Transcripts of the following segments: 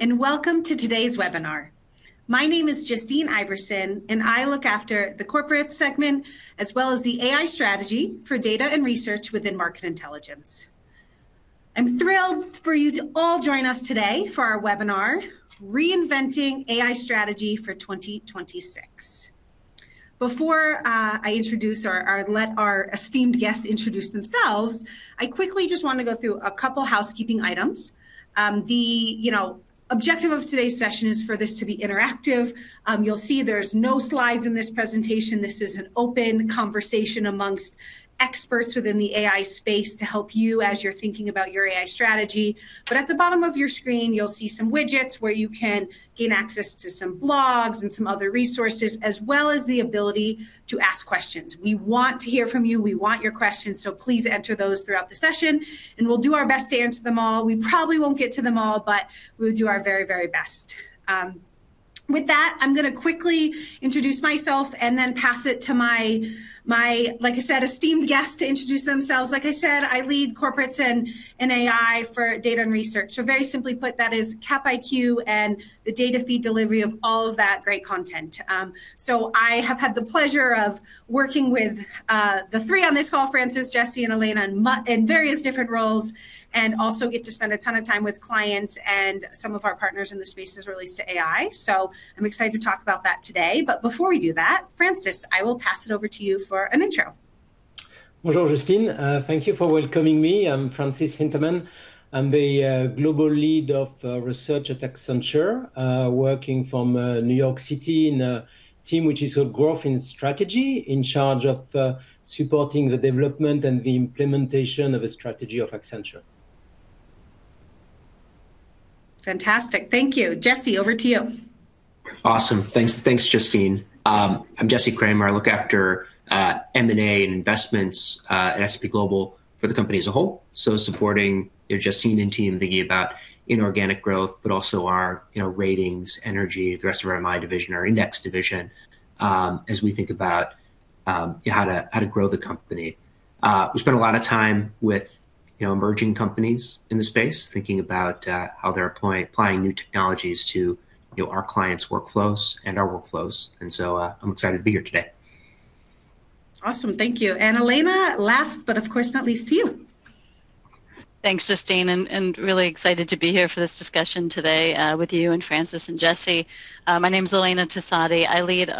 Welcome to today's webinar. My name is Justine Iverson, and I look after the corporate segment as well as the AI strategy for data and research within market intelligence. I'm thrilled for you to all join us today for our webinar, Reinventing AI Strategy for 2026. Before I introduce or let our esteemed guests introduce themselves, I quickly just wanna go through a couple housekeeping items. The, you know, objective of today's session is for this to be interactive. You'll see there's no slides in this presentation. This is an open conversation among experts within the AI space to help you as you're thinking about your AI strategy. At the bottom of your screen, you'll see some widgets where you can gain access to some blogs and some other resources as well as the ability to ask questions. We want to hear from you. We want your questions, so please enter those throughout the session, and we'll do our best to answer them all. We probably won't get to them all, but we'll do our very, very best. With that, I'm gonna quickly introduce myself and then pass it to my, like I said, esteemed guest to introduce themselves. Like I said, I lead corporates and AI for data and research. So very simply put, that is Capital IQ and the data feed delivery of all of that great content. I have had the pleasure of working with the three on this call, Francis, Jesse, and Elena, in various different roles and also get to spend a ton of time with clients and some of our partners in the space as it relates to AI. I'm excited to talk about that today. Before we do that, Francis, I will pass it over to you for an intro. Bonjour, Justine. Thank you for welcoming me. I'm Francis Hintermann. I'm the Global Lead of Research at Accenture, working from New York City in a team which is called Growth and Strategy in charge of supporting the development and the implementation of a strategy of Accenture. Fantastic. Thank you. Jesse, over to you. Awesome. Thanks, Justine. I'm Jesse Kramer. I look after M&A and Investments at S&P Global for the company as a whole, so supporting, you know, Justine and team thinking about inorganic growth, but also our, you know, ratings, energy, the rest of our MI division, our index division, as we think about how to grow the company. We spend a lot of time with, you know, emerging companies in the space thinking about how they're applying new technologies to, you know, our clients' workflows and our workflows. I'm excited to be here today. Awesome. Thank you. Elena, last but of course not least to you. Thanks, Justine, and really excited to be here for this discussion today with you and Francis and Jesse. My name's Elena Tesoni. I lead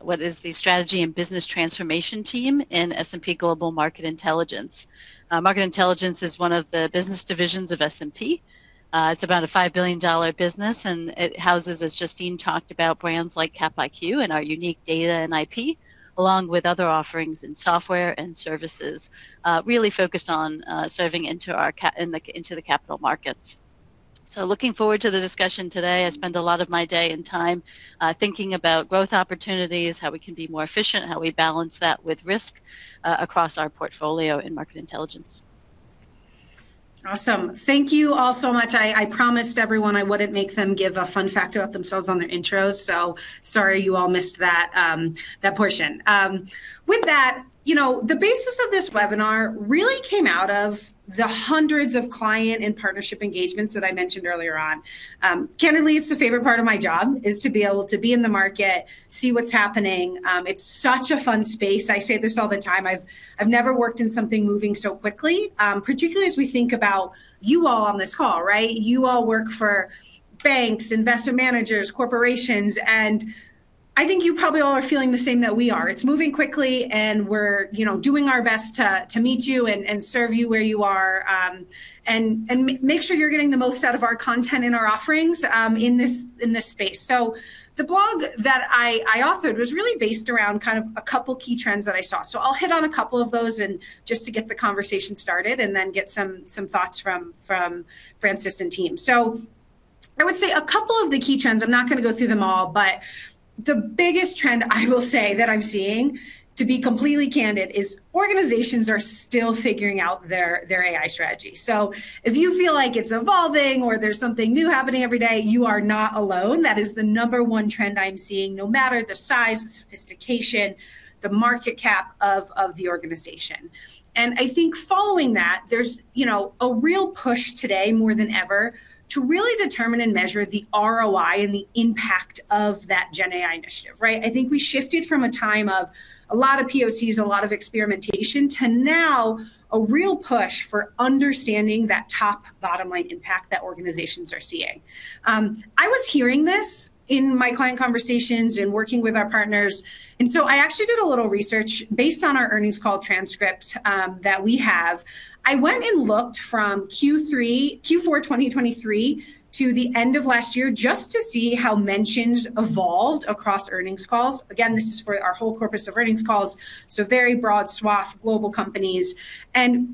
what is the strategy and business transformation team in S&P Global Market Intelligence. Market Intelligence is one of the business divisions of S&P. It's about a $5 billion business, and it houses, as Justine talked about, brands like CapIQ and our unique data and IP along with other offerings in software and services, really focused on serving into the capital markets. Looking forward to the discussion today. I spend a lot of my day and time thinking about growth opportunities, how we can be more efficient, how we balance that with risk across our portfolio in Market Intelligence. Awesome. Thank you all so much. I promised everyone I wouldn't make them give a fun fact about themselves on their intro, so sorry you all missed that portion. With that, you know, the basis of this webinar really came out of the hundreds of client and partnership engagements that I mentioned earlier on. Candidly, it's the favorite part of my job is to be able to be in the market, see what's happening. It's such a fun space. I say this all the time. I've never worked in something moving so quickly, particularly as we think about you all on this call, right? You all work for banks, investor managers, corporations, and I think you probably all are feeling the same that we are. It's moving quickly, and we're, you know, doing our best to meet you and serve you where you are, and make sure you're getting the most out of our content and our offerings, in this space. The blog that I authored was really based around kind of a couple key trends that I saw. I'll hit on a couple of those and just to get the conversation started and then get some thoughts from Francis and team. I would say a couple of the key trends, I'm not gonna go through them all, but the biggest trend I will say that I'm seeing, to be completely candid, is organizations are still figuring out their AI strategy. If you feel like it's evolving or there's something new happening every day, you are not alone. That is the number one trend I'm seeing no matter the size, the sophistication, the market cap of the organization. I think following that, there's, you know, a real push today more than ever to really determine and measure the ROI and the impact of that GenAI initiative, right? I think we shifted from a time of a lot of POCs, a lot of experimentation, to now a real push for understanding that top bottom line impact that organizations are seeing. I was hearing this in my client conversations and working with our partners. I actually did a little research based on our earnings call transcript that we have. I went and looked from Q3 to Q4 2023 to the end of last year just to see how mentions evolved across earnings calls. Again, this is for our whole corpus of earnings calls, so very broad swath of global companies.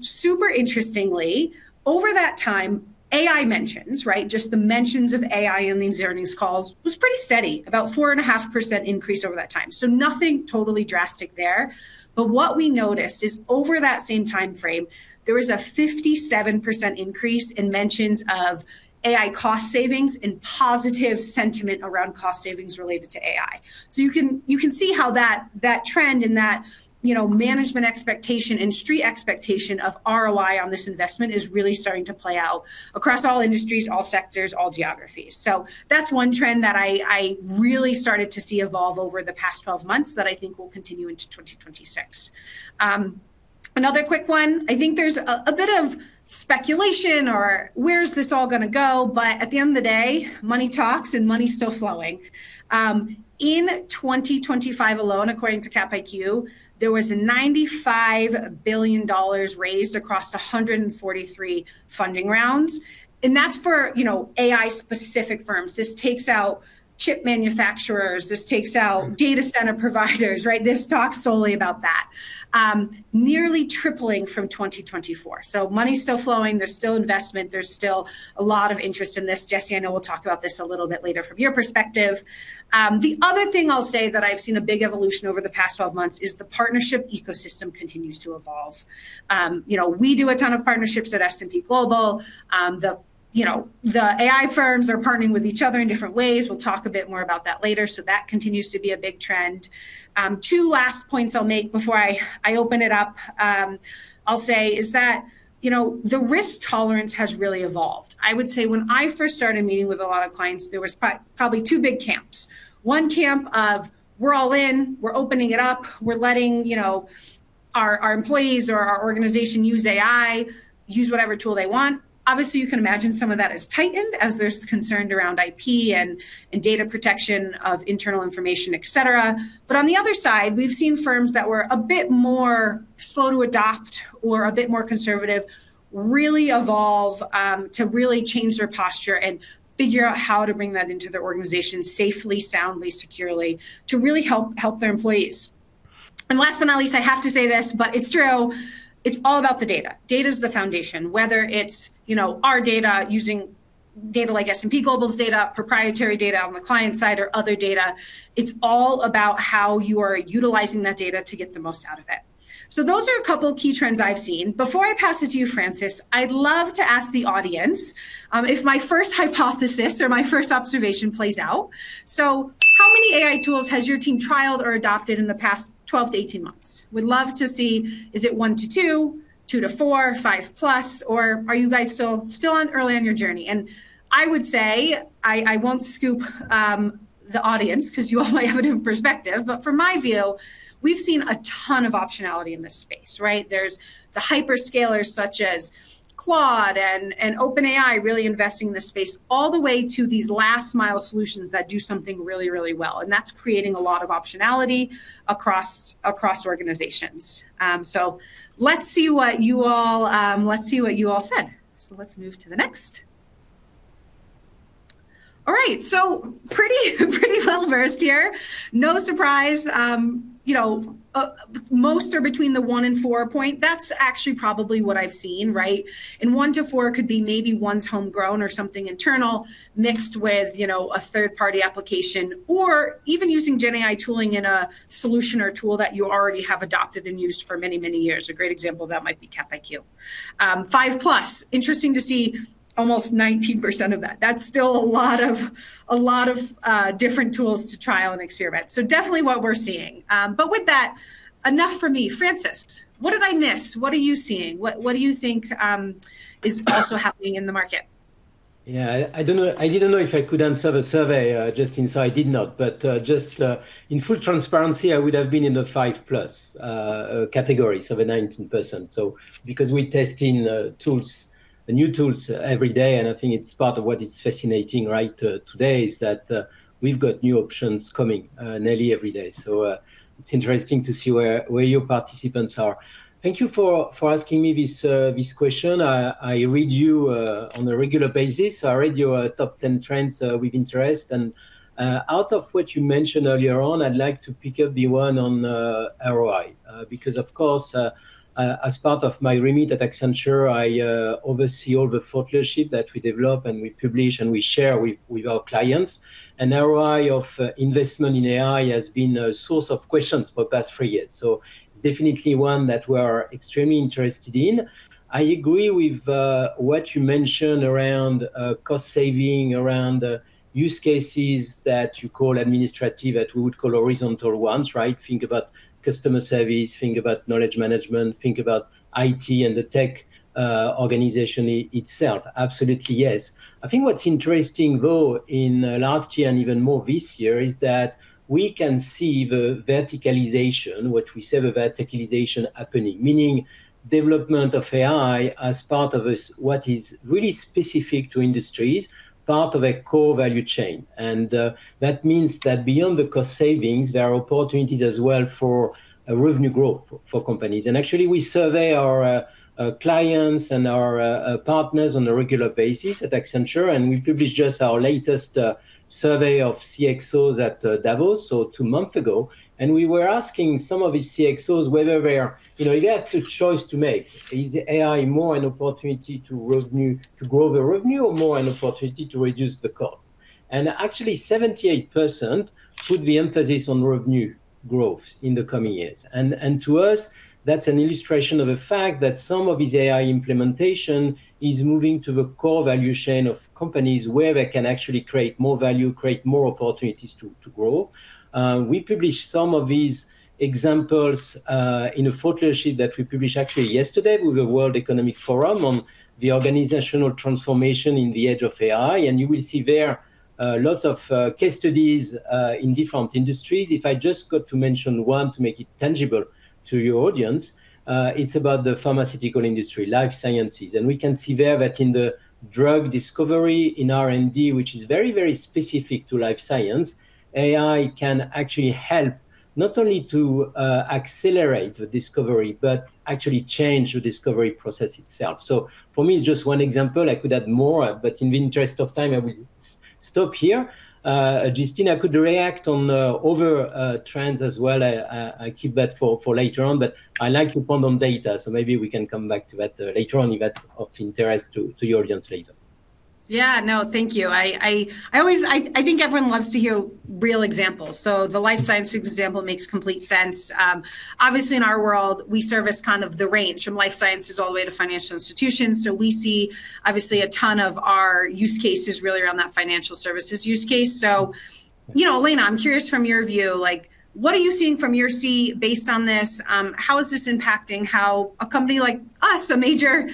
Super interestingly, over that time, AI mentions, right, just the mentions of AI in these earnings calls, was pretty steady, about 4.5% increase over that time. Nothing totally drastic there. What we noticed is over that same time frame, there was a 57% increase in mentions of AI cost savings and positive sentiment around cost savings related to AI. You can see how that trend and that, you know, management expectation and street expectation of ROI on this investment is really starting to play out across all industries, all sectors, all geographies. That's one trend that I really started to see evolve over the past 12 months that I think will continue into 2026. Another quick one. I think there's a bit of speculation or where's this all gonna go, but at the end of the day, money talks and money's still flowing. In 2025 alone, according to CapIQ, there was $95 billion raised across 143 funding rounds. That's for, you know, AI-specific firms. This takes out chip manufacturers. This takes out data center providers, right? This talks solely about that. Nearly tripling from 2024. Money's still flowing. There's still investment. There's still a lot of interest in this. Jesse, I know we'll talk about this a little bit later from your perspective. The other thing I'll say that I've seen a big evolution over the past 12 months is the partnership ecosystem continues to evolve. You know, we do a ton of partnerships at S&P Global. You know, the AI firms are partnering with each other in different ways. We'll talk a bit more about that later. That continues to be a big trend. Two last points I'll make before I open it up. I'll say is that, you know, the risk tolerance has really evolved. I would say when I first started meeting with a lot of clients, there was probably two big camps. One camp of, we're all in, we're opening it up, we're letting, you know, our employees or our organization use AI, use whatever tool they want. Obviously, you can imagine some of that has tightened as there's concern around IP and data protection of internal information, et cetera. On the other side, we've seen firms that were a bit more slow to adopt or a bit more conservative really evolve to really change their posture and figure out how to bring that into their organization safely, soundly, securely to really help their employees. Last but not least, I have to say this, but it's true. It's all about the data. Data's the foundation. Whether it's, you know, our data using data like S&P Global's data, proprietary data on the client side or other data, it's all about how you are utilizing that data to get the most out of it. Those are a couple key trends I've seen. Before I pass it to you, Francis, I'd love to ask the audience if my first hypothesis or my first observation plays out. How many AI tools has your team trialed or adopted in the past 12-18 months? We'd love to see, is it 1 to 2, 2 to 4, 5+, or are you guys still early on your journey? I would say I won't scoop the audience 'cause you all might have a different perspective. From my view, we've seen a ton of optionality in this space, right? There's the hyperscalers such as Claude and OpenAI really investing in this space all the way to these last mile solutions that do something really well, and that's creating a lot of optionality across organizations. Let's see what you all said. Let's move to the next. All right. Pretty well-versed here. No surprise. You know, most are between the one and four point. That's actually probably what I've seen, right? One to four could be maybe one's homegrown or something internal mixed with, you know, a third-party application or even using GenAI tooling in a solution or tool that you already have adopted and used for many, many years. A great example of that might be CapIQ. 5+. Interesting to see almost 19% of that. That's still a lot of different tools to trial and experiment. Definitely what we're seeing. With that, enough from me. Francis, what did I miss? What are you seeing? What do you think is also happening in the market? Yeah, I didn't know if I could answer the survey, Justine, so I did not. But just in full transparency, I would have been in the 5+ category, so the 19%. Because we're testing tools, new tools every day, and I think it's part of what is fascinating, right, today, is that we've got new options coming nearly every day. It's interesting to see where your participants are. Thank you for asking me this question. I read you on a regular basis. I read your top 10 trends with interest. Out of what you mentioned earlier on, I'd like to pick up the one on the ROI. Because of course, as part of my remit at Accenture, I oversee all the thought leadership that we develop and we publish and we share with our clients. ROI of investment in AI has been a source of questions for the past three years. It's definitely one that we're extremely interested in. I agree with what you mentioned around cost saving, around use cases that you call administrative, that we would call horizontal ones, right? Think about customer service, think about knowledge management, think about IT and the tech organization itself. Absolutely, yes. I think what's interesting, though, in last year and even more this year, is that we can see the verticalization, what we say the verticalization happening, meaning development of AI as part of a what is really specific to industries, part of a core value chain. That means that beyond the cost savings, there are opportunities as well for revenue growth for companies. Actually, we survey our clients and our partners on a regular basis at Accenture, and we published just our latest survey of CXOs at Davos, so two months ago. We were asking some of these CXOs whether they had a choice to make. You know, they had a choice to make. Is AI more an opportunity to grow the revenue or more an opportunity to reduce the cost? Actually, 78% put the emphasis on revenue growth in the coming years. To us, that's an illustration of a fact that some of this AI implementation is moving to the core value chain of companies where they can actually create more value, create more opportunities to grow. We published some of these examples in a thought leadership that we published actually yesterday with the World Economic Forum on the organizational transformation in the age of AI. You will see there lots of case studies in different industries. If I just got to mention one to make it tangible to your audience, it's about the pharmaceutical industry, life sciences. We can see there that in the drug discovery in R&D, which is very, very specific to life science, AI can actually help not only to accelerate the discovery, but actually change the discovery process itself. For me, it's just one example. I could add more, but in the interest of time, I will stop here. Justine, I could react on the other trends as well. I keep that for later on. I like to ponder on data, so maybe we can come back to that later on if that's of interest to your audience later. Yeah, no, thank you. I think everyone loves to hear real examples, so the life sciences example makes complete sense. Obviously in our world, we service kind of the range from life sciences all the way to financial institutions, so we see obviously a ton of our use cases really around that financial services use case. You know, Elena, I'm curious from your view, like what are you seeing from your seat based on this? How is this impacting how a company like us, a major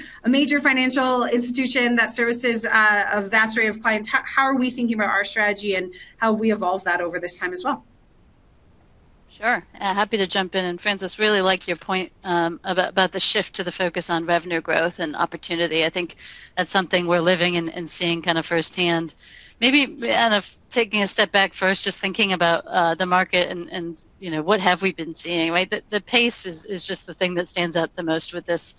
financial institution that services a vast array of clients, how are we thinking about our strategy and how have we evolved that over this time as well? Sure. Happy to jump in. Francis, really like your point about the shift to the focus on revenue growth and opportunity. I think that's something we're living and seeing kind of firsthand. Maybe, Francis, taking a step back first just thinking about the market and, you know, what have we been seeing, right? The pace is just the thing that stands out the most with this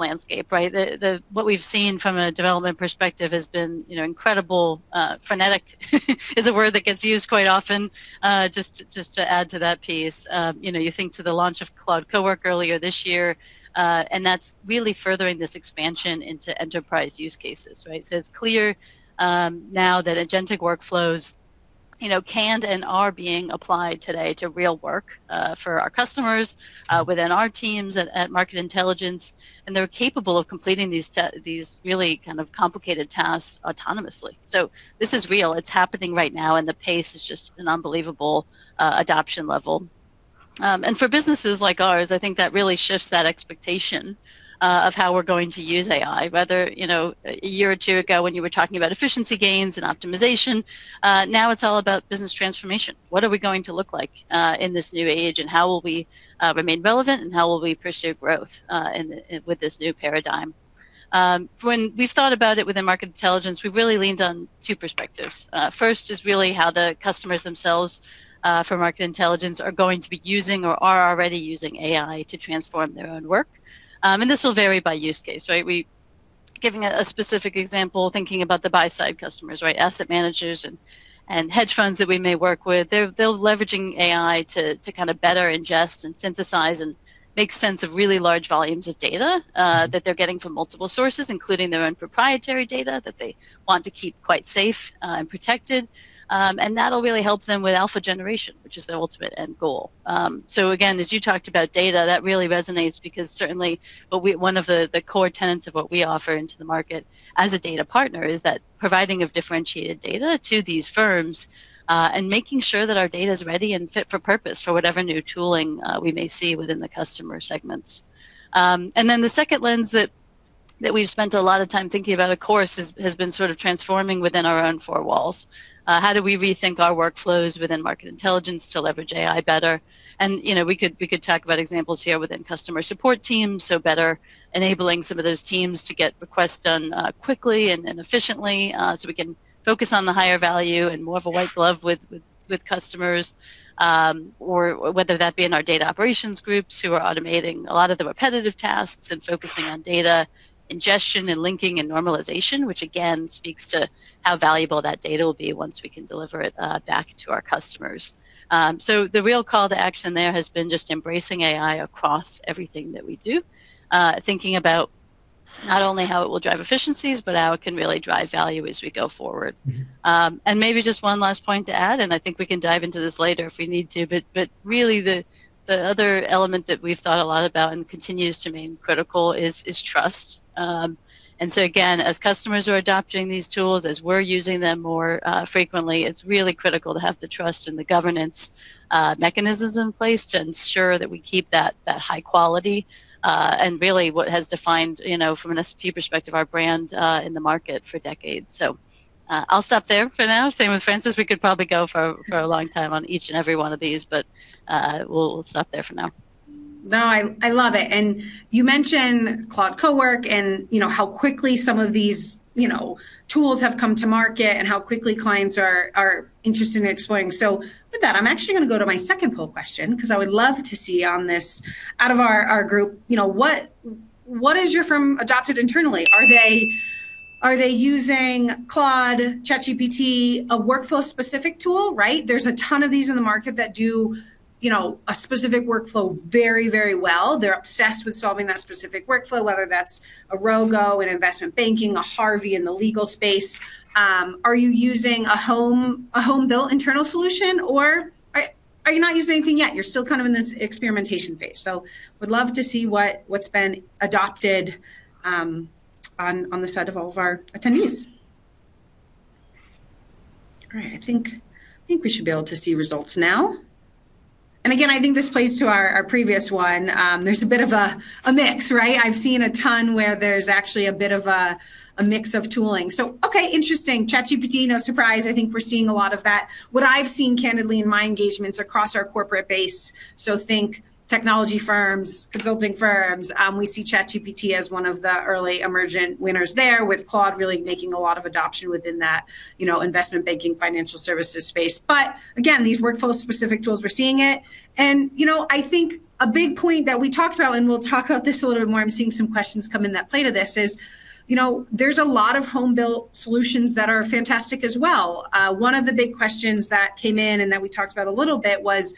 landscape, right? What we've seen from a development perspective has been, you know, incredible. Frenetic is a word that gets used quite often. Just to add to that piece, you know, you think to the launch of Claude for Work earlier this year, and that's really furthering this expansion into enterprise use cases, right? It's clear now that agentic workflows, you know, can and are being applied today to real work for our customers within our teams at Market Intelligence, and they're capable of completing these really kind of complicated tasks autonomously. This is real. It's happening right now, and the pace is just an unbelievable adoption level. For businesses like ours, I think that really shifts that expectation of how we're going to use AI. Whether, you know, a year or two ago when you were talking about efficiency gains and optimization, now it's all about business transformation. What are we going to look like in this new age, and how will we remain relevant, and how will we pursue growth in with this new paradigm? When we've thought about it within Market Intelligence, we've really leaned on two perspectives. First is really how the customers themselves for Market Intelligence are going to be using or are already using AI to transform their own work. This will vary by use case. Right? Giving a specific example, thinking about the buy side customers, right? Asset managers and hedge funds that we may work with. They're leveraging AI to kind of better ingest and synthesize and make sense of really large volumes of data that they're getting from multiple sources, including their own proprietary data that they want to keep quite safe and protected. That'll really help them with alpha generation, which is their ultimate end goal. Again, as you talked about data, that really resonates because certainly what we one of the core tenets of what we offer into the market as a data partner is that providing of differentiated data to these firms, and making sure that our data's ready and fit for purpose for whatever new tooling we may see within the customer segments. The second lens that we've spent a lot of time thinking about, of course, has been sort of transforming within our own four walls, how do we rethink our workflows within Market Intelligence to leverage AI better. You know, we could talk about examples here within customer support teams, so better enabling some of those teams to get requests done quickly and efficiently, so we can focus on the higher value and more of a white glove with customers. Whether that be in our data operations groups who are automating a lot of the repetitive tasks and focusing on data ingestion and linking and normalization, which again speaks to how valuable that data will be once we can deliver it back to our customers. The real call to action there has been just embracing AI across everything that we do. Thinking about not only how it will drive efficiencies, but how it can really drive value as we go forward. Maybe just one last point to add, and I think we can dive into this later if we need to, but really the other element that we've thought a lot about and continues to remain critical is trust. Again, as customers are adopting these tools, as we're using them more frequently, it's really critical to have the trust and the governance mechanisms in place to ensure that we keep that high quality and really what has defined, you know, from an S&P perspective our brand in the market for decades. I'll stop there for now. Same with Francis. We could probably go for a long time on each and every one of these, but we'll stop there for now. No, I love it. You mentioned Claude for Work and, you know, how quickly some of these, you know, tools have come to market and how quickly clients are interested in exploring. With that, I'm actually gonna go to my second poll question because I would love to see on this out of our group, you know, what has your firm adopted internally? Are they using Claude, ChatGPT, a workflow specific tool, right? There's a ton of these in the market that do, you know, a specific workflow very, very well. They're obsessed with solving that specific workflow, whether that's a Rogo in investment banking, a Harvey in the legal space. Are you using a home-built internal solution, or are you not using anything yet? You're still kind of in this experimentation phase. Would love to see what's been adopted on the side of all of our attendees. All right. I think we should be able to see results now. Again, I think this plays to our previous one. There's a bit of a mix, right? I've seen a ton where there's actually a bit of a mix of tooling. Okay, interesting. ChatGPT, no surprise. I think we're seeing a lot of that. What I've seen candidly in my engagements across our corporate base, so think technology firms, consulting firms, we see ChatGPT as one of the early emergent winners there with Claude really making a lot of adoption within that, you know, investment banking, financial services space. Again, these workflow specific tools, we're seeing it. You know, I think a big point that we talked about, and we'll talk about this a little more, I'm seeing some questions come in that play to this, is, you know, there's a lot of home-built solutions that are fantastic as well. One of the big questions that came in and that we talked about a little bit was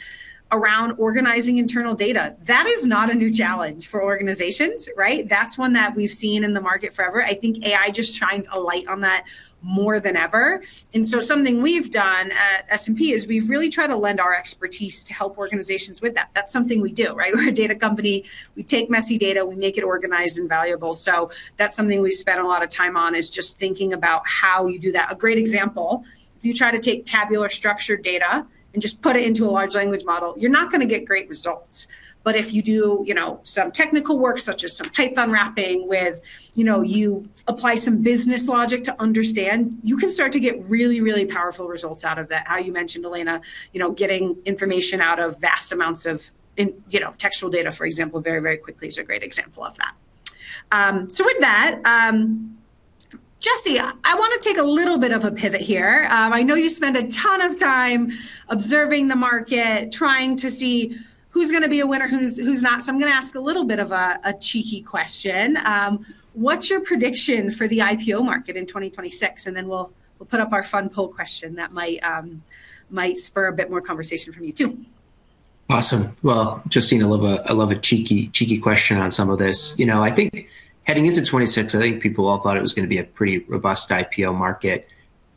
around organizing internal data. That is not a new challenge for organizations, right? That's one that we've seen in the market forever. I think AI just shines a light on that more than ever. Something we've done at S&P is we've really tried to lend our expertise to help organizations with that. That's something we do, right? We're a data company. We take messy data, we make it organized and valuable. That's something we've spent a lot of time on, is just thinking about how you do that. A great example, if you try to take tabular structured data and just put it into a large language model, you're not gonna get great results. But if you do, you know, some technical work such as some Python wrapping. You know, you apply some business logic to understand, you can start to get really, really powerful results out of that. As you mentioned, Elena, you know, getting information out of vast amounts of textual data, for example, very, very quickly is a great example of that. With that, Jesse, I wanna take a little bit of a pivot here. I know you spend a ton of time observing the market, trying to see who's gonna be a winner, who's not. I'm gonna ask a little bit of a cheeky question. What's your prediction for the IPO market in 2026? Then we'll put up our fun poll question that might spur a bit more conversation from you too. Awesome. Well, Justine, I love a cheeky question on some of this. You know, I think heading into 2026, I think people all thought it was gonna be a pretty robust IPO market.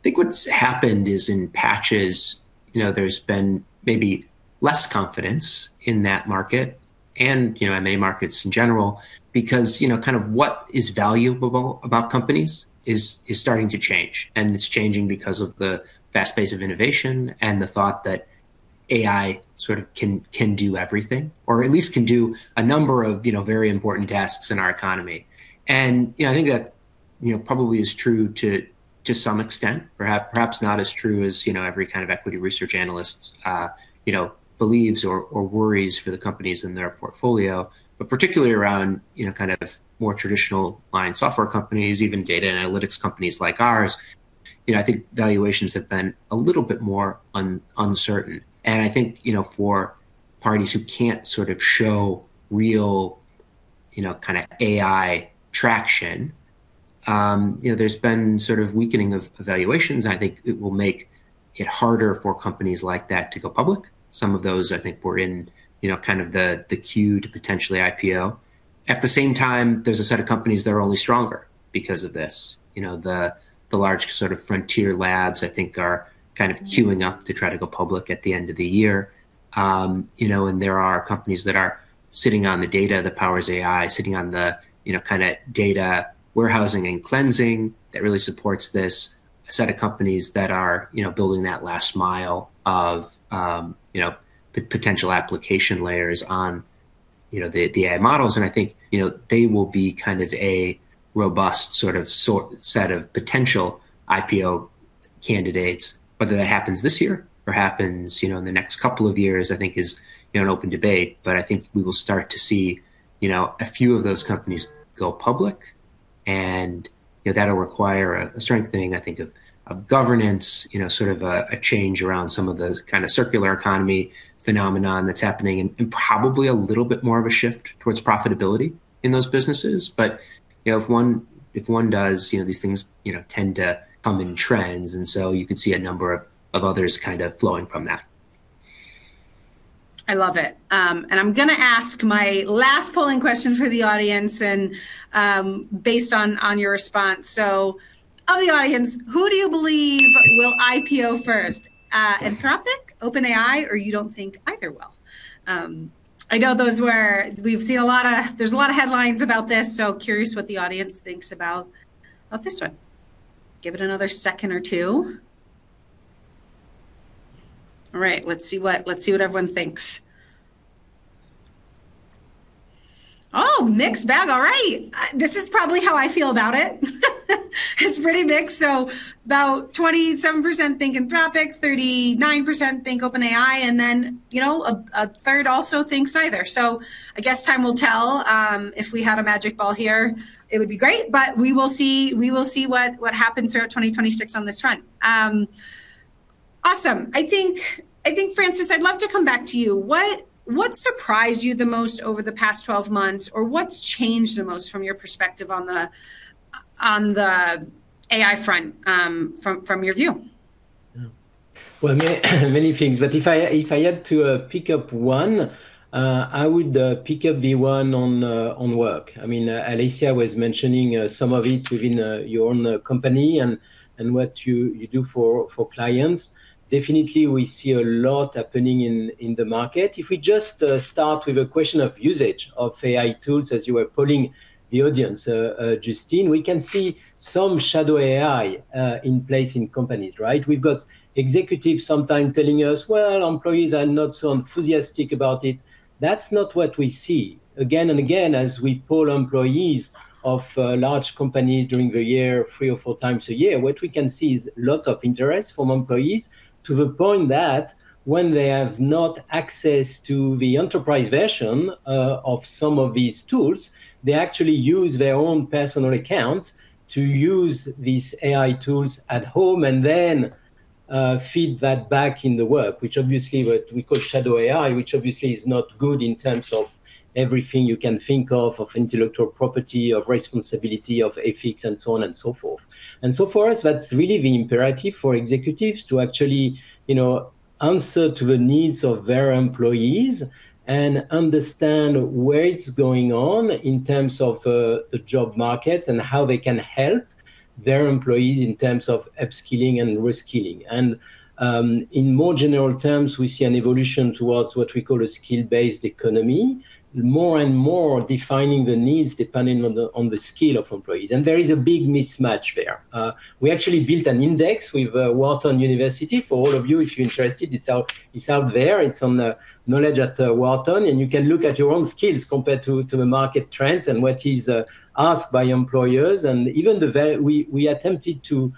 I think what's happened is in patches, you know, there's been maybe less confidence in that market and, you know, M&A markets in general because, you know, kind of what is valuable about companies is starting to change, and it's changing because of the fast pace of innovation and the thought that AI sort of can do everything or at least can do a number of, you know, very important tasks in our economy. You know, I think that, you know, probably is true to some extent, perhaps not as true as, you know, every kind of equity research analyst, you know, believes or worries for the companies in their portfolio. Particularly around, you know, kind of more traditional line software companies, even data analytics companies like ours, you know, I think valuations have been a little bit more uncertain. I think, you know, for parties who can't sort of show real, you know, kinda AI traction, you know, there's been sort of weakening of valuations, and I think it will make it harder for companies like that to go public. Some of those I think were in, you know, kind of the queue to potentially IPO. At the same time, there's a set of companies that are only stronger because of this. You know, the large sort of frontier labs I think are kind of queuing up to try to go public at the end of the year. You know, there are companies that are sitting on the data that powers AI, sitting on the, you know, kinda data warehousing and cleansing that really supports this set of companies that are, you know, building that last mile of, you know, potential application layers on, you know, the AI models. I think, you know, they will be kind of a robust sort of set of potential IPO candidates. Whether that happens this year or happens, you know, in the next couple of years, I think is, you know, an open debate. I think we will start to see, you know, a few of those companies go public, and, you know, that'll require a strengthening, I think of governance, you know, sort of a change around some of the kinda circular economy phenomenon that's happening and probably a little bit more of a shift towards profitability in those businesses. you know, if one does, you know, these things, you know, tend to come in trends, and so you could see a number of others kind of flowing from that. I love it. I'm gonna ask my last polling question for the audience and, based on your response. Of the audience, who do you believe will IPO first? Anthropic, OpenAI, or you don't think either will? I know those were. We've seen a lot of. There's a lot of headlines about this, so curious what the audience thinks about this one. Give it another second or two. All right, let's see what everyone thinks. Oh, mixed bag. All right. This is probably how I feel about it. It's pretty mixed. About 27% think Anthropic, 39% think OpenAI, and then, you know, a third also think neither. I guess time will tell. If we had a magic ball here, it would be great, but we will see what happens throughout 2026 on this front. Awesome. I think, Francis, I'd love to come back to you. What surprised you the most over the past 12 months, or what's changed the most from your perspective on the AI front, from your view? Many things, but if I had to pick up one, I would pick up the one on work. I mean, Elena was mentioning some of it within your own company and what you do for clients. Definitely we see a lot happening in the market. If we just start with a question of usage of AI tools as you were polling the audience, Justine, we can see some shadow AI in place in companies, right? We've got executives sometimes telling us, "Well, employees are not so enthusiastic about it." That's not what we see. Again and again, as we poll employees of large companies during the year, three or four times a year, what we can see is lots of interest from employees to the point that when they have not access to the enterprise version of some of these tools, they actually use their own personal account to use these AI tools at home and then feed that back in the work, which obviously what we call shadow AI, which obviously is not good in terms of everything you can think of intellectual property, of responsibility, of ethics and so on and so forth. For us, that's really the imperative for executives to actually, you know, answer to the needs of their employees and understand where it's going on in terms of the job market and how they can help their employees in terms of upskilling and reskilling. In more general terms, we see an evolution towards what we call a skill-based economy, more and more defining the needs depending on the skill of employees, and there is a big mismatch there. We actually built an index with Wharton. For all of you, if you're interested, it's out there. It's on the Knowledge at Wharton, and you can look at your own skills compared to the market trends and what is asked by employers. We attempted to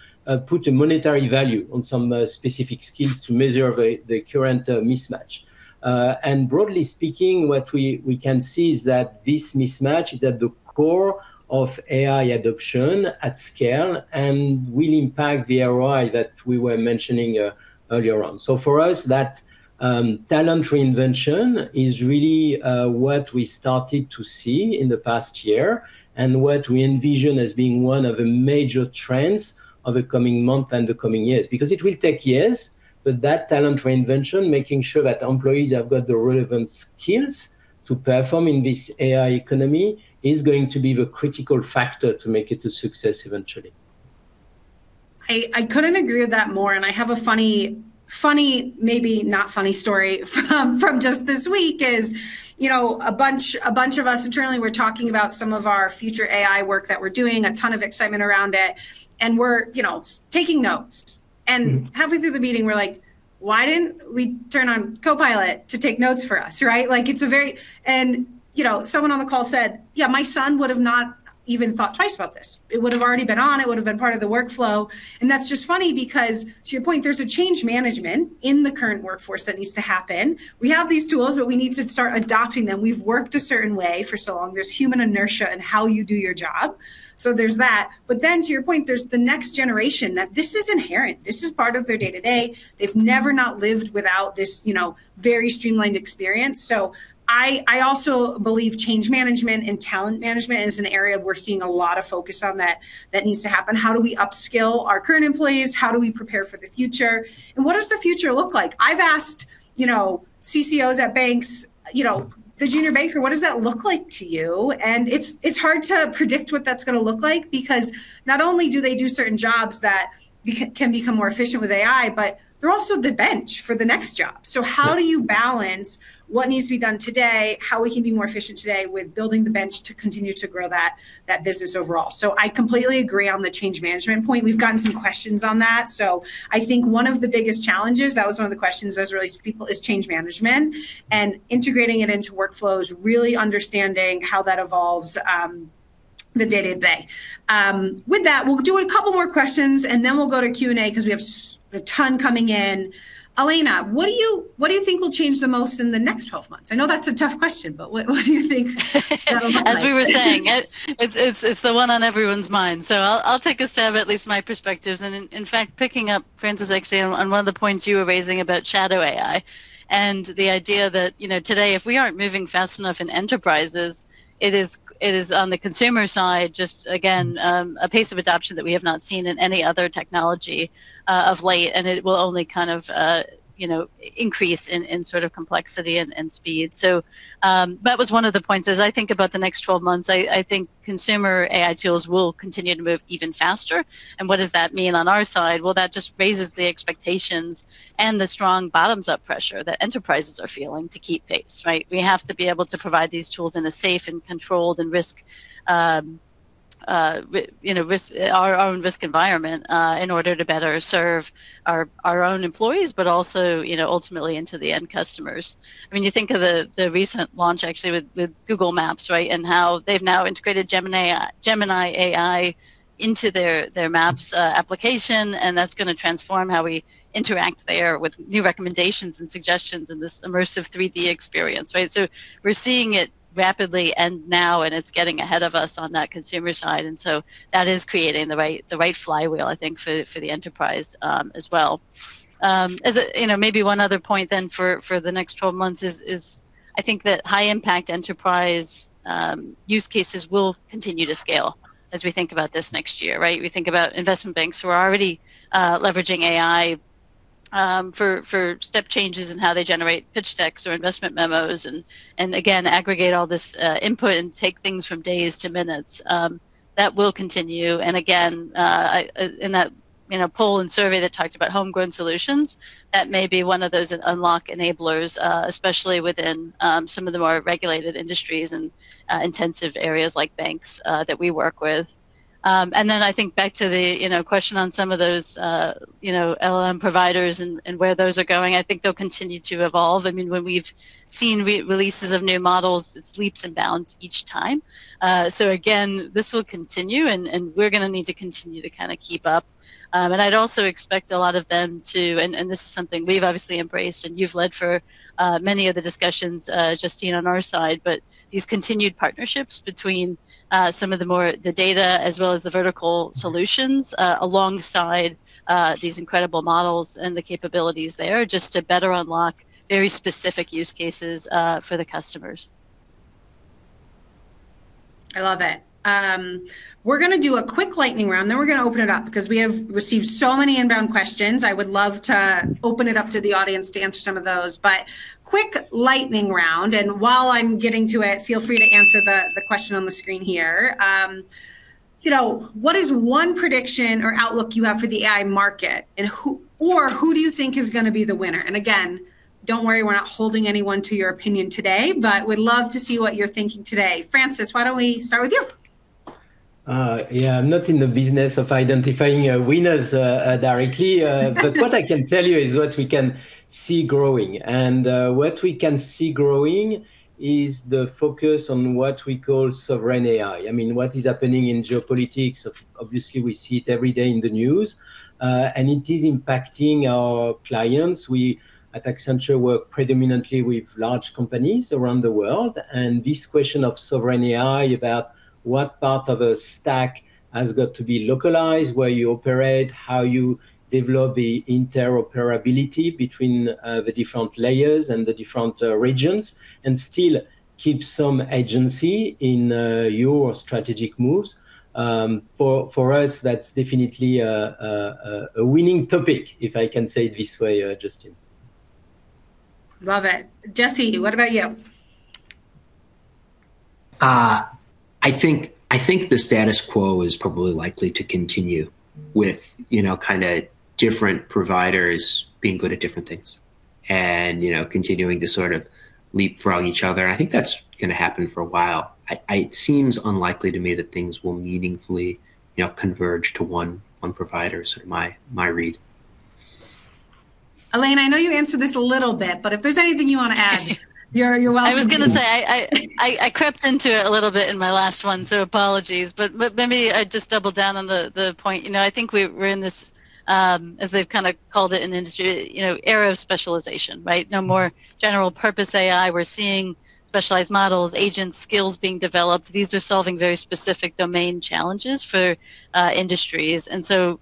put a monetary value on some specific skills to measure the current mismatch. Broadly speaking, what we can see is that this mismatch is at the core of AI adoption at scale and will impact the ROI that we were mentioning earlier on. For us, that talent reinvention is really what we started to see in the past year and what we envision as being one of the major trends of the coming month and the coming years, because it will take years, but that talent reinvention, making sure that employees have got the relevant skills to perform in this AI economy, is going to be the critical factor to make it a success eventually. I couldn't agree with that more, and I have a funny, maybe not funny story from just this week is, you know, a bunch of us internally were talking about some of our future AI work that we're doing, a ton of excitement around it, and we're, you know, taking notes. Halfway through the meeting we're like, "Why didn't we turn on Copilot to take notes for us," right? You know, someone on the call said, "Yeah, my son would have not even thought twice about this." It would've already been on, it would've been part of the workflow, and that's just funny because, to your point, there's a change management in the current workforce that needs to happen. We have these tools, but we need to start adopting them. We've worked a certain way for so long. There's human inertia in how you do your job. There's that, but then to your point, there's the next generation that this is inherent, this is part of their day-to-day. They've never not lived without this, you know, very streamlined experience. I also believe change management and talent management is an area we're seeing a lot of focus on that needs to happen. How do we upskill our current employees? How do we prepare for the future? What does the future look like? I've asked, you know, CCOs at banks, you know, "The junior banker, what does that look like to you?" It's hard to predict what that's gonna look like because not only do they do certain jobs that can become more efficient with AI, but they're also the bench for the next job. How do you balance what needs to be done today, how we can be more efficient today with building the bench to continue to grow that business overall? I completely agree on the change management point. We've gotten some questions on that. I think one of the biggest challenges, that was one of the questions that was raised, people, is change management and integrating it into workflows, really understanding how that evolves, the day-to-day. With that, we'll do a couple more questions and then we'll go to Q&A 'cause we have a ton coming in. Elena, what do you think will change the most in the next 12 months? I know that's a tough question, but what do you think that'll look like? As we were saying, it's the one on everyone's mind. I'll take a stab at least my perspectives. In fact, picking up, Francis, actually on one of the points you were raising about shadow AI and the idea that, you know, today if we aren't moving fast enough in enterprises, it is on the consumer side just, again, a pace of adoption that we have not seen in any other technology, of late, and it will only kind of, you know, increase in sort of complexity and speed. That was one of the points. As I think about the next 12 months, I think consumer AI tools will continue to move even faster. What does that mean on our side? Well, that just raises the expectations and the strong bottoms-up pressure that enterprises are feeling to keep pace, right? We have to be able to provide these tools in a safe and controlled risk environment in order to better serve our own employees, but also, you know, ultimately to the end customers. I mean, you think of the recent launch actually with Google Maps, right? How they've now integrated Gemini AI into their Maps application, and that's gonna transform how we interact there with new recommendations and suggestions in this immersive 3D experience, right? We're seeing it rapidly and it's getting ahead of us on that consumer side, and that is creating the right flywheel, I think, for the enterprise, as well. You know, maybe one other point then for the next 12 months is I think that high-impact enterprise use cases will continue to scale. As we think about this next year, right? We think about investment banks who are already leveraging AI for step changes in how they generate pitch decks or investment memos and again aggregate all this input and take things from days to minutes. That will continue. Again, in a poll and survey that talked about homegrown solutions, that may be one of those unlock enablers, especially within some of the more regulated industries and intensive areas like banks that we work with. I think back to the, you know, question on some of those, you know, LLM providers and where those are going. I think they'll continue to evolve. I mean, when we've seen releases of new models, it's leaps and bounds each time. This will continue and we're gonna need to continue to kinda keep up. I'd also expect a lot of them to and this is something we've obviously embraced, and you've led for many of the discussions, Justine, on our side, but these continued partnerships between some of the data as well as the vertical solutions alongside these incredible models and the capabilities there, just to better unlock very specific use cases for the customers. I love it. We're gonna do a quick lightning round, then we're gonna open it up because we have received so many inbound questions. I would love to open it up to the audience to answer some of those. Quick lightning round, and while I'm getting to it, feel free to answer the question on the screen here. You know, what is one prediction or outlook you have for the AI market? Or who do you think is gonna be the winner? Again, don't worry, we're not holding anyone to your opinion today, but we'd love to see what you're thinking today. Francis, why don't we start with you? Yeah, I'm not in the business of identifying winners directly. But what I can tell you is what we can see growing. What we can see growing is the focus on what we call sovereign AI. I mean, what is happening in geopolitics, obviously we see it every day in the news, and it is impacting our clients. We at Accenture work predominantly with large companies around the world, and this question of sovereign AI about what part of a stack has got to be localized, where you operate, how you develop the interoperability between the different layers and the different regions, and still keep some agency in your strategic moves. For us, that's definitely a winning topic, if I can say it this way, Justine. Love it. Jesse, what about you? I think the status quo is probably likely to continue with, you know, kinda different providers being good at different things and, you know, continuing to sort of leapfrog each other. I think that's gonna happen for a while. It seems unlikely to me that things will meaningfully, you know, converge to one provider, is my read. Elena, I know you answered this a little bit, but if there's anything you wanna add, you're welcome to. I was gonna say I crept into it a little bit in my last one, so apologies, but let me just double down on the point. You know, I think we're in this, as they've kinda called it in industry, you know, era of specialization, right? No more general purpose AI. We're seeing specialized models, agents, skills being developed. These are solving very specific domain challenges for industries.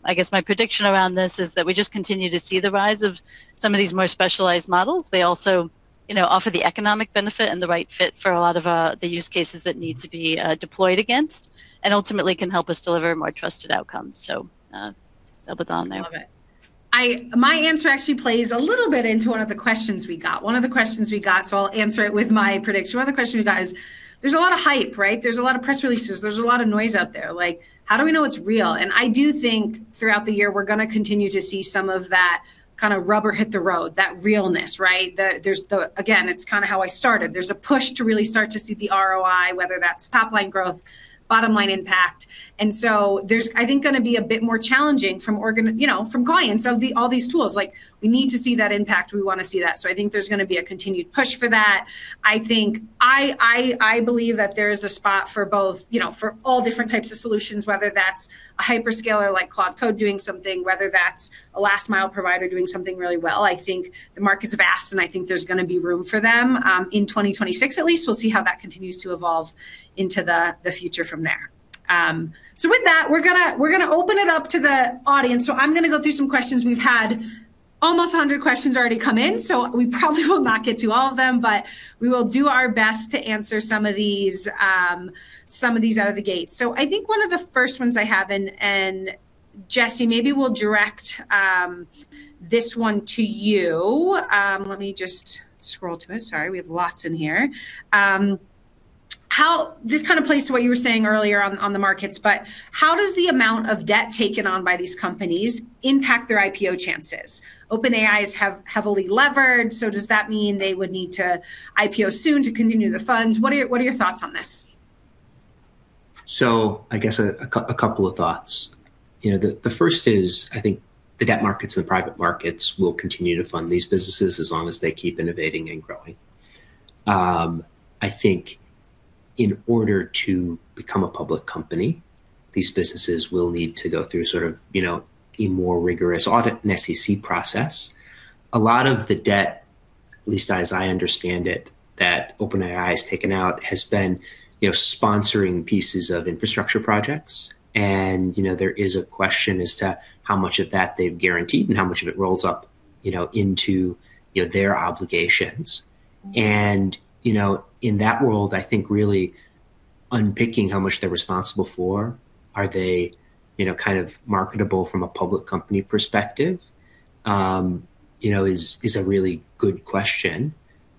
I guess my prediction around this is that we just continue to see the rise of some of these more specialized models. They also, you know, offer the economic benefit and the right fit for a lot of the use cases that need to be deployed against, and ultimately can help us deliver more trusted outcomes. I'll put that on there. Love it. My answer actually plays a little bit into one of the questions we got, so I'll answer it with my prediction. One of the questions we got is, there's a lot of hype, right? There's a lot of press releases. There's a lot of noise out there. Like, how do we know it's real? I do think throughout the year, we're gonna continue to see some of that kinda rubber hits the road, that realness, right? Again, it's kinda how I started. There's a push to really start to see the ROI, whether that's top line growth, bottom line impact. There's, I think, gonna be a bit more challenging, you know, from clients on all these tools. Like, we need to see that impact. We wanna see that. I think there's gonna be a continued push for that. I believe that there is a spot for both, you know, for all different types of solutions, whether that's a hyperscaler like Google Cloud doing something, whether that's a last mile provider doing something really well. I think the market's vast, and I think there's gonna be room for them in 2026 at least. We'll see how that continues to evolve into the future from there. With that, we're gonna open it up to the audience. I'm gonna go through some questions. We've had almost 100 questions already come in, so we probably will not get to all of them, but we will do our best to answer some of these out of the gate. I think one of the first ones I have, and Jesse, maybe we'll direct this one to you. Let me just scroll to it. Sorry. We have lots in here. How this kinda plays to what you were saying earlier on the markets, but how does the amount of debt taken on by these companies impact their IPO chances? OpenAI is heavily levered, so does that mean they would need to IPO soon to continue the funds? What are your thoughts on this? I guess a couple of thoughts. You know, the first is, I think the debt markets and private markets will continue to fund these businesses as long as they keep innovating and growing. I think in order to become a public company, these businesses will need to go through sort of, you know, a more rigorous audit and SEC process. A lot of the debt, at least as I understand it, that OpenAI has taken out has been, you know, sponsoring pieces of infrastructure projects. You know, there is a question as to how much of that they've guaranteed and how much of it rolls up into, you know, their obligations. You know, in that world, I think really unpicking how much they're responsible for, are they, you know, kind of marketable from a public company perspective, you know, is a really good question.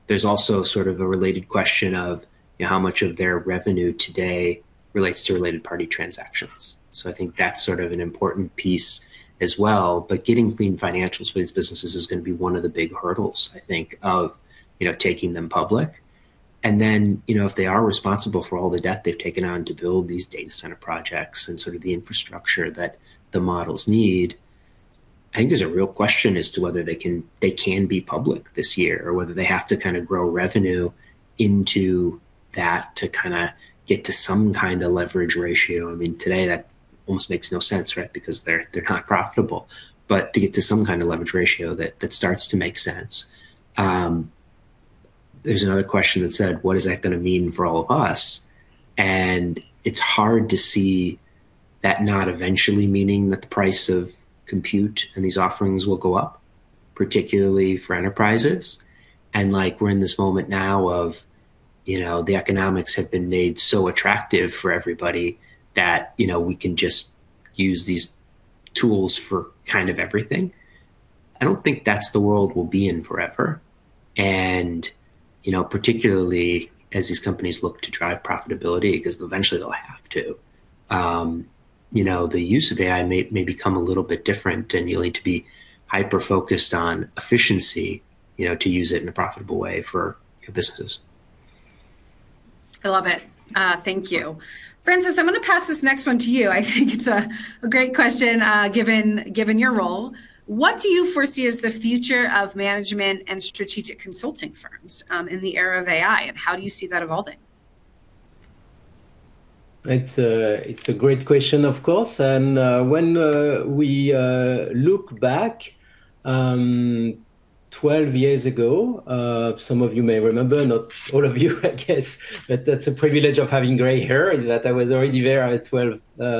There's also sort of a related question of how much of their revenue today relates to related party transactions. I think that's sort of an important piece as well. Getting clean financials for these businesses is gonna be one of the big hurdles, I think, of you know, taking them public. You know, if they are responsible for all the debt they've taken on to build these data center projects and sort of the infrastructure that the models need, I think there's a real question as to whether they can be public this year or whether they have to kind of grow revenue into that to kind of get to some kind of leverage ratio. I mean, today that almost makes no sense, right? Because they're not profitable. To get to some kind of leverage ratio that starts to make sense. There's another question that said, "What is that gonna mean for all of us?" It's hard to see that not eventually meaning that the price of compute and these offerings will go up, particularly for enterprises. Like, we're in this moment now of, you know, the economics have been made so attractive for everybody that, you know, we can just use these tools for kind of everything. I don't think that's the world we'll be in forever. Particularly as these companies look to drive profitability, 'cause eventually they'll have to, you know, the use of AI may become a little bit different, and you'll need to be hyper-focused on efficiency, you know, to use it in a profitable way for your business. I love it. Thank you. Francis, I'm gonna pass this next one to you. I think it's a great question, given your role. What do you foresee as the future of management and strategic consulting firms in the era of AI, and how do you see that evolving? It's a great question, of course. When we look back 12 years ago, some of you may remember, not all of you, I guess. That's a privilege of having gray hair is that I was already there at 12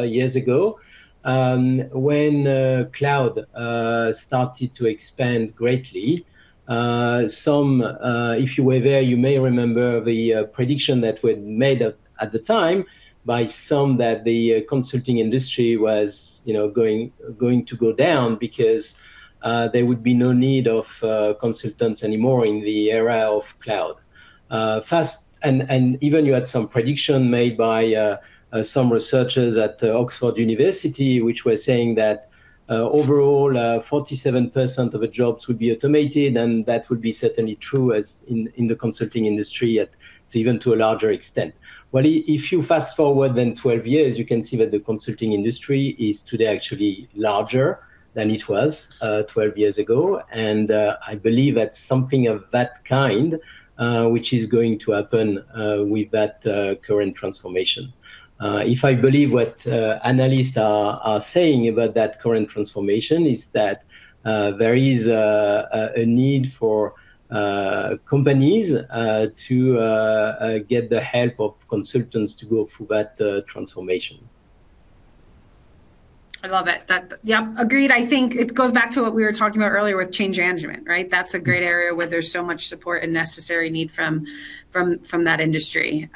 years ago, when cloud started to expand greatly. If you were there, you may remember the prediction that were made at the time by some that the consulting industry was, you know, going to go down because there would be no need of consultants anymore in the era of cloud. And even you had some prediction made by some researchers at University of Oxford, which were saying that overall 47% of the jobs would be automated, and that would be certainly true as in in the consulting industry at even to a larger extent. Well, if you fast-forward then 12 years, you can see that the consulting industry is today actually larger than it was 12 years ago. I believe that something of that kind which is going to happen with that current transformation. If I believe what analysts are saying about that current transformation is that there is a need for companies to get the help of consultants to go through that transformation. I love it. Yeah, agreed. I think it goes back to what we were talking about earlier with change management, right? That's a great area where there's so much support and necessary need from that industry.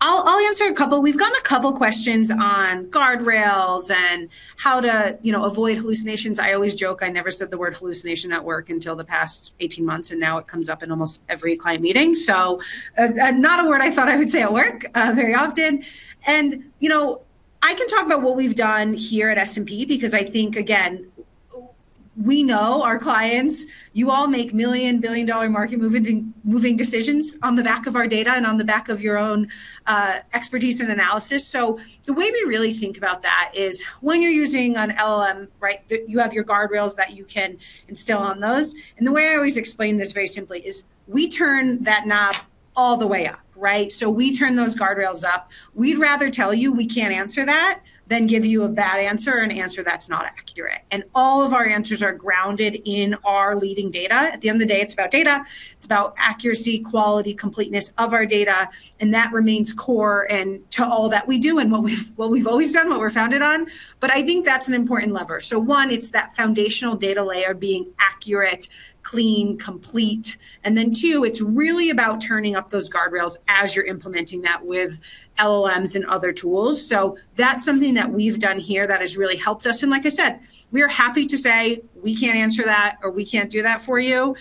I'll answer a couple. We've gotten a couple questions on guardrails and how to, you know, avoid hallucinations. I always joke, I never said the word hallucination at work until the past 18 months, and now it comes up in almost every client meeting. So, not a word I thought I would say at work very often. You know, I can talk about what we've done here at S&P, because I think, again, we know our clients. You all make million, billion-dollar market moving decisions on the back of our data and on the back of your own expertise and analysis. The way we really think about that is when you're using an LLM, right? You have your guardrails that you can instill on those. The way I always explain this very simply is we turn that knob all the way up, right? We turn those guardrails up. We'd rather tell you we can't answer that than give you a bad answer or an answer that's not accurate. All of our answers are grounded in our leading data. At the end of the day, it's about data. It's about accuracy, quality, completeness of our data, and that remains core to all that we do and what we've always done, what we're founded on. I think that's an important lever. One, it's that foundational data layer being accurate, clean, complete. Then two, it's really about turning up those guardrails as you're implementing that with LLMs and other tools. That's something that we've done here that has really helped us. Like I said, we are happy to say, "We can't answer that," or, "We can't do that for you,"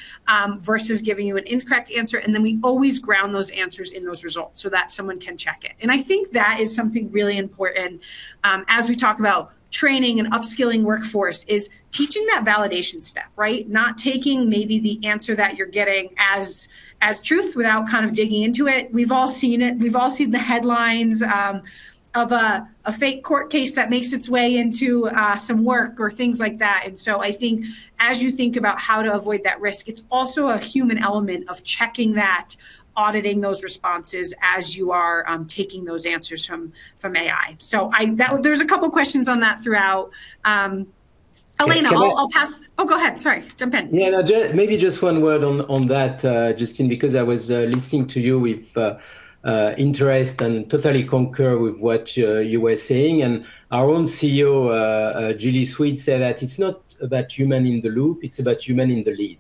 versus giving you an incorrect answer. We always ground those answers in those results so that someone can check it. I think that is something really important as we talk about training and upskilling workforce, is teaching that validation step, right? Not taking maybe the answer that you're getting as truth without kind of digging into it. We've all seen it. We've all seen the headlines of a fake court case that makes its way into some work or things like that. I think as you think about how to avoid that risk, it's also a human element of checking that, auditing those responses as you are taking those answers from AI. There's a couple questions on that throughout, Elena, I'll pass. Oh, go ahead. Sorry. Jump in. Yeah, no, maybe just one word on that, Justine, because I was listening to you with interest and totally concur with what you were saying. Our own CEO, Julie Sweet, said that it's not about human in the loop, it's about human in the lead.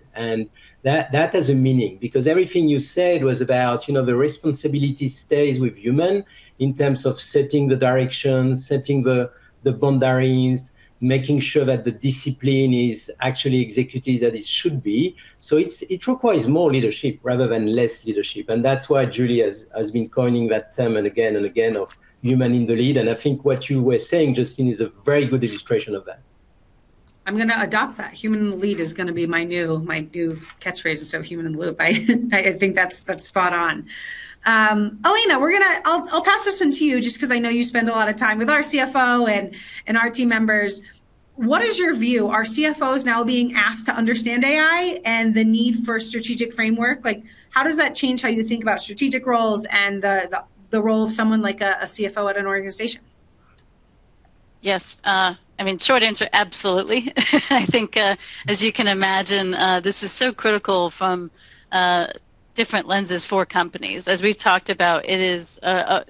That has a meaning because everything you said was about, you know, the responsibility stays with human in terms of setting the direction, setting the boundaries, making sure that the discipline is actually executed that it should be. It requires more leadership rather than less leadership, and that's why Julie has been coining that term and again and again of human in the lead. I think what you were saying, Justine, is a very good illustration of that. I'm gonna adopt that. Human in the lead is gonna be my new catchphrase instead of human in the loop. I think that's spot on. Elena, I'll pass this one to you just 'cause I know you spend a lot of time with our CFO and our team members. What is your view? Are CFOs now being asked to understand AI and the need for strategic framework? Like, how does that change how you think about strategic roles and the role of someone like a CFO at an organization? Yes. I mean, short answer, absolutely. I think, as you can imagine, this is so critical from different lenses for companies. As we've talked about, it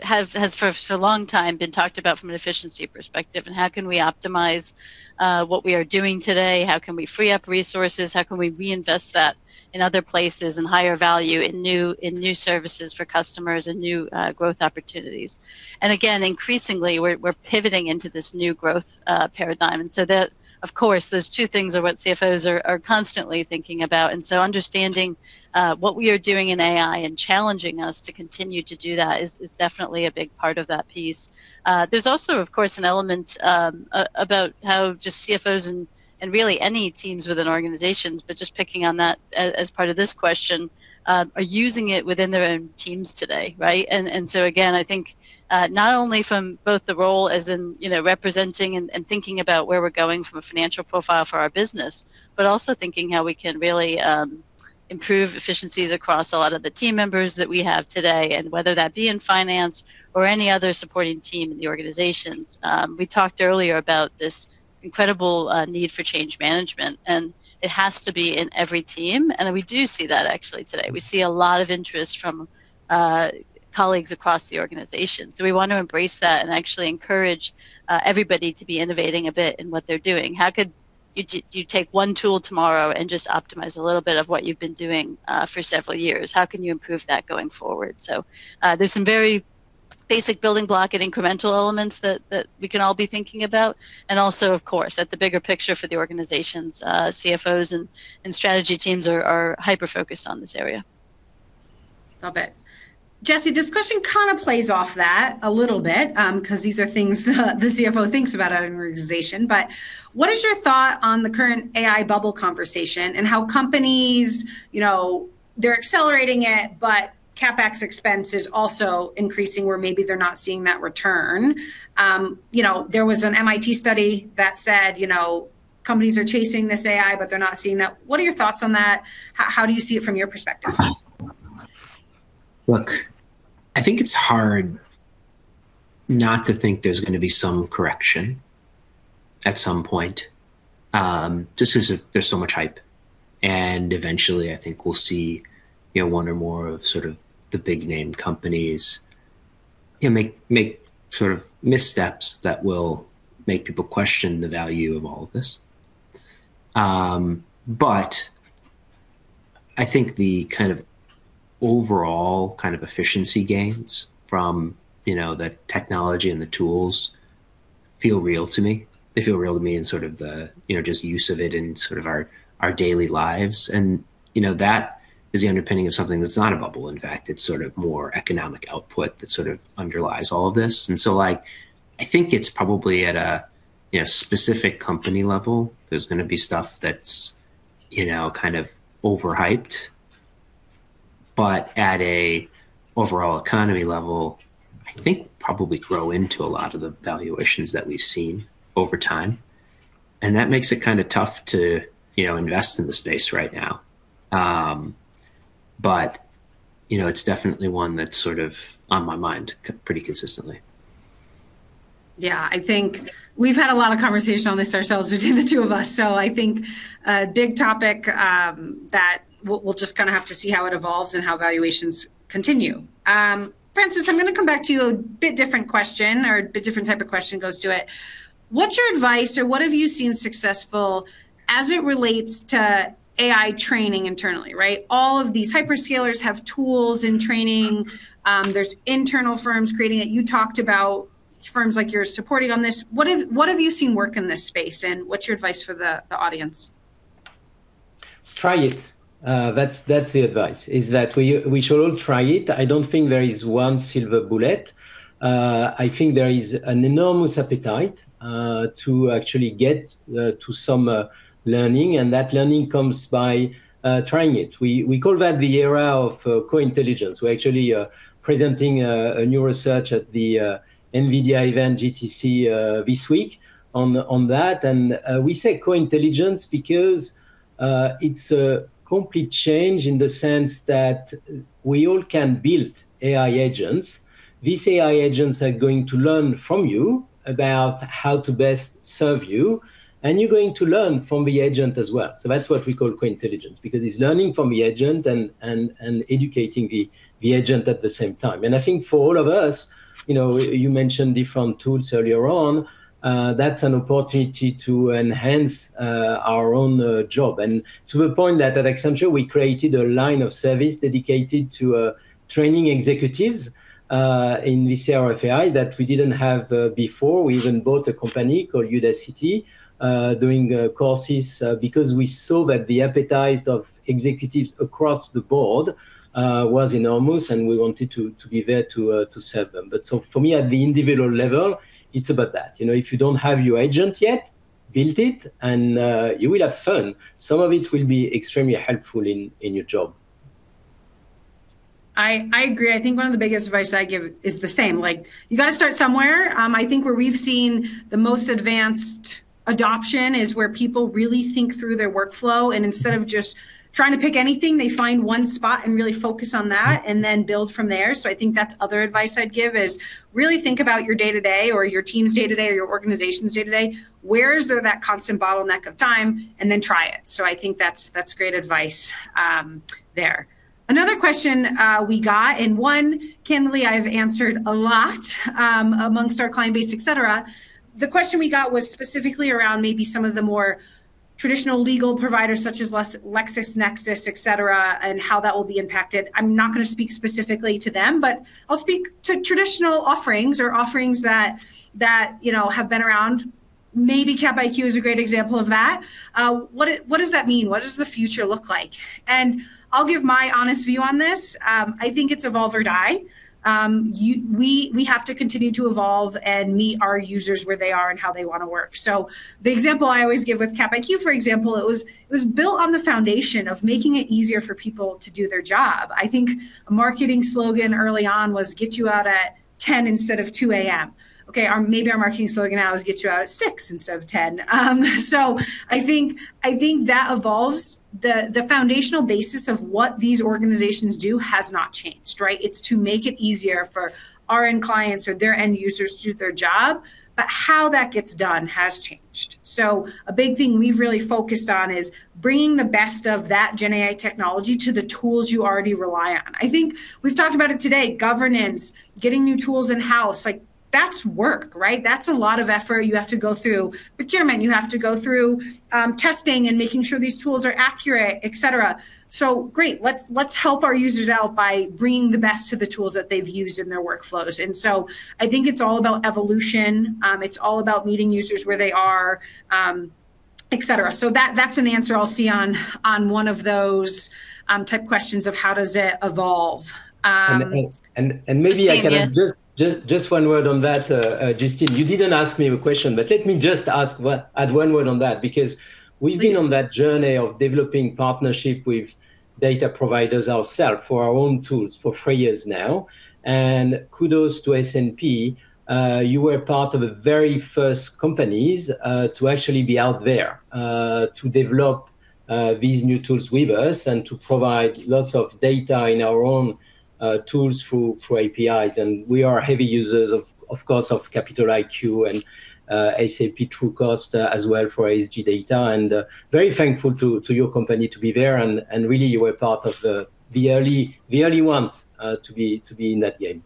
has for a long time been talked about from an efficiency perspective and how can we optimize what we are doing today, how can we free up resources, how can we reinvest that in other places, in higher value, in new services for customers and new growth opportunities. Again, increasingly, we're pivoting into this new growth paradigm. Of course, those two things are what CFOs are constantly thinking about, and so understanding what we are doing in AI and challenging us to continue to do that is definitely a big part of that piece. There's also, of course, an element about how just CFOs and really any teams within organizations, but just picking on that as part of this question, are using it within their own teams today, right? I think not only from both the role as in, you know, representing and thinking about where we're going from a financial profile for our business, but also thinking how we can really improve efficiencies across a lot of the team members that we have today and whether that be in finance or any other supporting team in the organizations. We talked earlier about this incredible need for change management, and it has to be in every team, and we do see that actually today. We see a lot of interest from colleagues across the organization. We want to embrace that and actually encourage everybody to be innovating a bit in what they're doing. How could you take one tool tomorrow and just optimize a little bit of what you've been doing for several years? How can you improve that going forward? There's some very basic building block and incremental elements that we can all be thinking about, and also, of course, at the bigger picture for the organizations, CFOs and strategy teams are hyper-focused on this area. Love it. Jesse, this question kind of plays off that a little bit, 'cause these are things, the CFO thinks about at an organization, but what is your thought on the current AI bubble conversation and how companies, you know, they're accelerating it, but CapEx expense is also increasing where maybe they're not seeing that return? You know, there was an MIT study that said, you know, companies are chasing this AI, but they're not seeing that. What are your thoughts on that? How do you see it from your perspective? Look, I think it's hard not to think there's gonna be some correction at some point, just 'cause there's so much hype, and eventually I think we'll see, you know, one or more of sort of the big name companies, you know, make sort of missteps that will make people question the value of all of this. I think the kind of overall kind of efficiency gains from, you know, the technology and the tools feel real to me. They feel real to me in sort of the, you know, just use of it in sort of our daily lives and, you know, that is the underpinning of something that's not a bubble, in fact. It's sort of more economic output that sort of underlies all of this. Like, I think it's probably at a, you know, specific company level, there's gonna be stuff that's, you know, kind of over-hyped. At a overall economy level, I think we'll probably grow into a lot of the valuations that we've seen over time, and that makes it kind of tough to, you know, invest in the space right now. You know, it's definitely one that's sort of on my mind pretty consistently. Yeah. I think we've had a lot of conversation on this ourselves between the two of us. I think a big topic that we'll just kinda have to see how it evolves and how valuations continue. Francis, I'm gonna come back to you, a bit different question or a bit different type of question goes to it. What's your advice or what have you seen successful as it relates to AI training internally, right? All of these hyperscalers have tools and training. There's internal firms creating it. You talked about firms like you're supporting on this. What have you seen work in this space, and what's your advice for the audience? Try it. That's the advice, that we should all try it. I don't think there is one silver bullet. I think there is an enormous appetite to actually get to some learning, and that learning comes by trying it. We call that the era of co-intelligence. We're actually presenting a new research at the NVIDIA event, GTC, this week on that. We say co-intelligence because it's a complete change in the sense that we all can build AI agents. These AI agents are going to learn from you about how to best serve you, and you're going to learn from the agent as well. That's what we call co-intelligence, because it's learning from the agent and educating the agent at the same time. I think for all of us, you know, you mentioned different tools earlier on, that's an opportunity to enhance our own job. To the point that at Accenture, we created a line of service dedicated to training executives in this era of AI that we didn't have before. We even bought a company called Udacity doing courses, because we saw that the appetite of executives across the board was enormous, and we wanted to be there to serve them. For me at the individual level, it's about that. You know, if you don't have your agent yet, build it, and you will have fun. Some of it will be extremely helpful in your job. I agree. I think one of the biggest advice I give is the same, like you gotta start somewhere. I think where we've seen the most advanced adoption is where people really think through their workflow, and instead of just trying to pick anything, they find one spot and really focus on that and then build from there. I think that's other advice I'd give is really think about your day-to-day or your team's day-to-day or your organization's day-to-day. Where is there that constant bottleneck of time? And then try it. I think that's great advice there. Another question we got, and one candidly I've answered a lot among our client base, et cetera. The question we got was specifically around maybe some of the more traditional legal providers such as LexisNexis, et cetera, and how that will be impacted. I'm not gonna speak specifically to them, but I'll speak to traditional offerings or offerings that, you know, have been around. Maybe CapIQ is a great example of that. What does that mean? What does the future look like? I'll give my honest view on this. I think it's evolve or die. We have to continue to evolve and meet our users where they are and how they wanna work. The example I always give with CapIQ, for example, it was built on the foundation of making it easier for people to do their job. I think a marketing slogan early on was get you out at 10:00 p.m. instead of 2:00 a.m. Okay, or maybe our marketing slogan now is get you out at 6:00 p.m. instead of 10:00 p.m. I think that evolves. The foundational basis of what these organizations do has not changed, right? It's to make it easier for our end clients or their end users to do their job. How that gets done has changed. A big thing we've really focused on is bringing the best of that GenAI technology to the tools you already rely on. I think we've talked about it today, governance, getting new tools in-house, like that's work, right? That's a lot of effort you have to go through procurement. You have to go through testing and making sure these tools are accurate, et cetera. Great, let's help our users out by bringing the best to the tools that they've used in their workflows. I think it's all about evolution. It's all about meeting users where they are, et cetera. That's an answer I'll see on one of those type questions of how does it evolve. Maybe I can Just came in. Just one word on that, Justine. You didn't ask me a question, but let me just add one word on that because we've been on that journey of developing partnership with data providers ourselves for our own tools for three years now. Kudos to S&P. You were part of the very first companies to actually be out there to develop these new tools with us and to provide lots of data in our own tools through APIs. We are heavy users of course, of Capital IQ and S&P Trucost as well for ESG data. We're very thankful to your company to be there, and really you were part of the early ones to be in that game.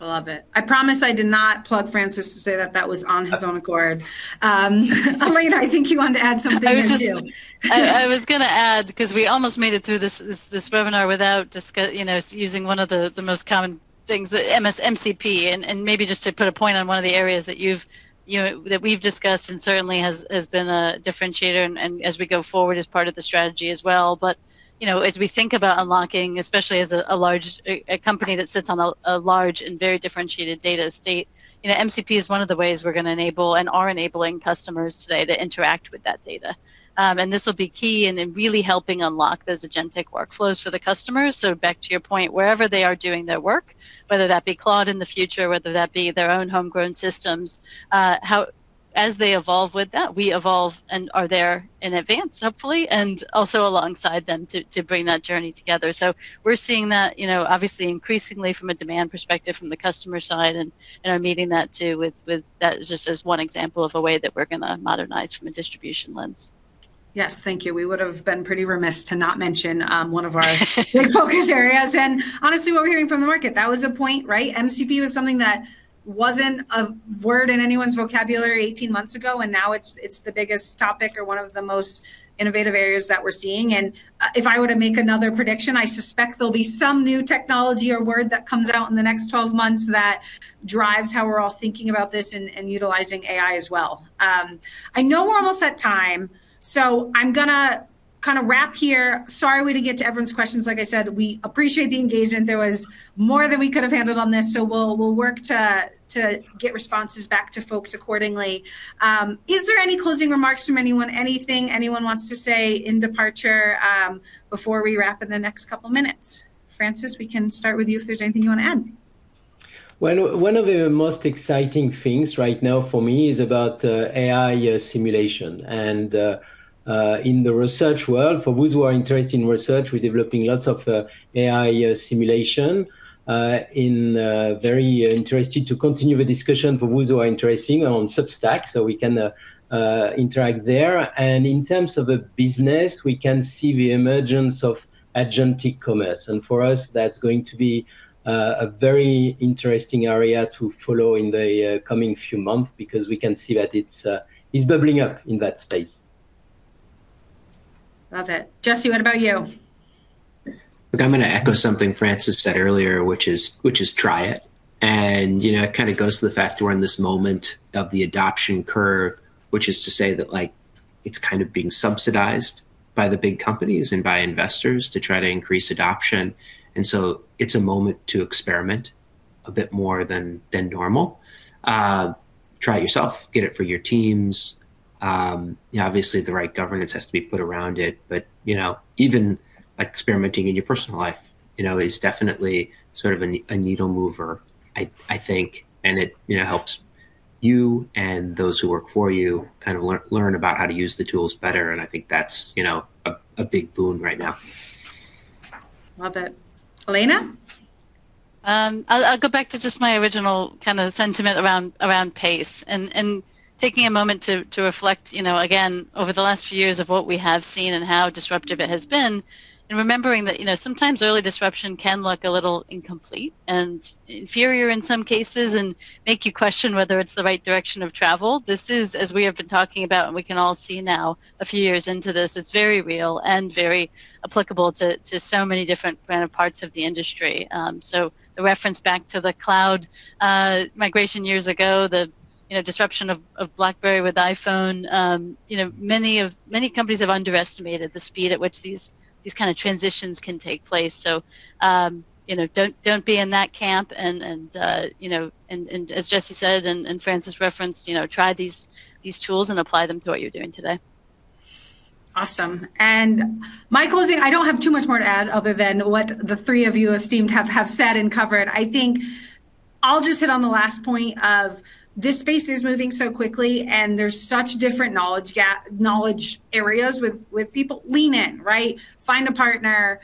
I love it. I promise I did not prod Francis to say that was of his own accord. Elena, I think you wanted to add something in too. I was gonna add, 'cause we almost made it through this webinar without discussing, you know, using one of the most common things, the MCP. Maybe just to put a point on one of the areas that you've, you know, that we've discussed and certainly has been a differentiator and as we go forward as part of the strategy as well. You know, as we think about unlocking, especially as a large company that sits on a large and very differentiated data estate, you know, MCP is one of the ways we're gonna enable and are enabling customers today to interact with that data. This will be key in really helping unlock those agentic workflows for the customers. Back to your point, wherever they are doing their work, whether that be Claude in the future, whether that be their own homegrown systems, as they evolve with that, we evolve and are there in advance, hopefully, and also alongside them to bring that journey together. We're seeing that, you know, obviously increasingly from a demand perspective, from the customer side and are meeting that too with that just as one example of a way that we're gonna modernize from a distribution lens. Yes. Thank you. We would've been pretty remiss to not mention one of our big focus areas, and honestly, what we're hearing from the market. That was a point, right? MCP was something that wasn't a word in anyone's vocabulary 18 months ago, and now it's the biggest topic or one of the most innovative areas that we're seeing. If I were to make another prediction, I suspect there'll be some new technology or word that comes out in the next 12 months that drives how we're all thinking about this and utilizing AI as well. I know we're almost at time, so I'm gonna kind of wrap here. Sorry we didn't get to everyone's questions. Like I said, we appreciate the engagement. There was more than we could have handled on this, so we'll work to get responses back to folks accordingly. Is there any closing remarks from anyone? Anything anyone wants to say in departure before we wrap in the next couple minutes? Francis, we can start with you if there's anything you wanna add. Well, one of the most exciting things right now for me is about AI simulation. In the research world, for those who are interested in research, we're developing lots of AI simulation. Very interested to continue the discussion for those who are interested on Substack, so we can interact there. In terms of the business, we can see the emergence of agent e-commerce, and for us that's going to be a very interesting area to follow in the coming few month because we can see that it's bubbling up in that space. Love it. Jesse, what about you? Look, I'm gonna echo something Francis said earlier, which is try it. You know, it kind of goes to the fact we're in this moment of the adoption curve, which is to say that, like, it's kind of being subsidized by the big companies and by investors to try to increase adoption. It's a moment to experiment a bit more than normal. Try it yourself. Get it for your teams. You know, obviously the right governance has to be put around it, but, you know, even, like, experimenting in your personal life, you know, is definitely sort of a needle mover I think, and it, you know, helps you and those who work for you kind of learn about how to use the tools better, and I think that's, you know, a big boon right now. Love it. Elena? I'll go back to just my original kind of sentiment around pace and taking a moment to reflect, you know, again, over the last few years of what we have seen and how disruptive it has been, and remembering that, you know, sometimes early disruption can look a little incomplete and inferior in some cases, and make you question whether it's the right direction of travel. This is, as we have been talking about and we can all see now a few years into this, it's very real and very applicable to so many different kind of parts of the industry. The reference back to the cloud migration years ago, you know, the disruption of BlackBerry with iPhone, you know, many companies have underestimated the speed at which these kind of transitions can take place. You know, don't be in that camp and as Jesse said and Francis referenced, you know, try these tools and apply them to what you're doing today. Awesome. My closing, I don't have too much more to add other than what the three of you esteemed have said and covered. I think I'll just hit on the last point of this space is moving so quickly, and there's such different knowledge areas with people. Lean in, right? Find a partner,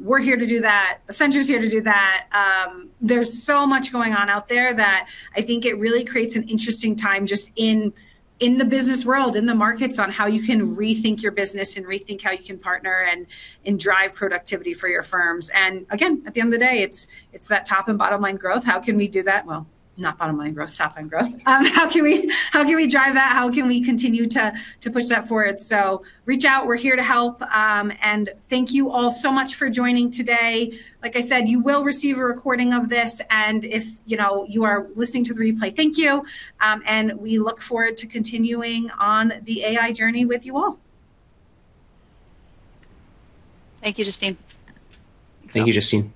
we're here to do that. Accenture's here to do that. There's so much going on out there that I think it really creates an interesting time just in the business world, in the markets, on how you can rethink your business and rethink how you can partner and drive productivity for your firms. Again, at the end of the day, it's that top and bottom line growth. How can we do that? Well, not bottom line growth, top line growth. How can we drive that? How can we continue to push that forward? Reach out. We're here to help. Thank you all so much for joining today. Like I said, you will receive a recording of this, and if, you know, you are listening to the replay, thank you. We look forward to continuing on the AI journey with you all. Thank you, Justine. Thank you, Justine.